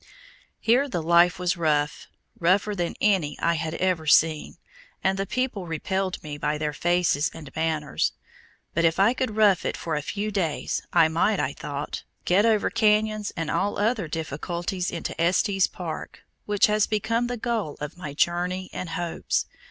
Here the life was rough, rougher than any I had ever seen, and the people repelled me by their faces and manners; but if I could rough it for a few days, I might, I thought, get over canyons and all other difficulties into Estes Park, which has become the goal of my journey and hopes.